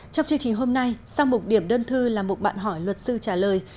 trong chương trình hôm nay sau mục điểm đơn thư là mục bạn hỏi luật sư trả lời